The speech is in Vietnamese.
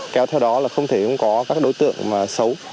kéo theo đó là không thể có các đối tượng mà xấu